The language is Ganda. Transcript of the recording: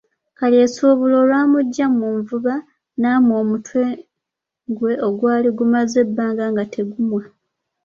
Kalyesuubula olwamuggya mu nvuba n'amwa omutwe gwe ogwali gumaze ebbanga nga tegumwa.